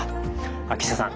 秋下さん